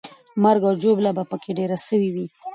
مرګ او ژوبله به پکې ډېره سوې وي.